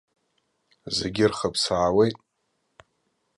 Зегьы рхыԥсаауеит.